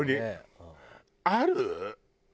ある？